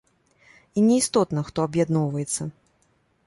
І не істотна, хто аб'ядноўваецца.